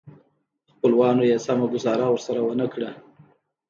خپلوانو یې سمه ګوزاره ورسره ونه کړه.